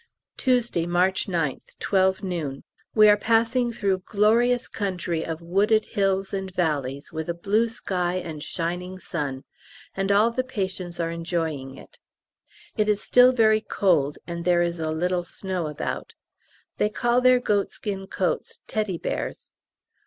Tuesday, March 9th, 12 noon. We are passing through glorious country of wooded hills and valleys, with a blue sky and shining sun, and all the patients are enjoying it. It is still very cold, and there is a little snow about. They call their goatskin coats "Teddy Bears."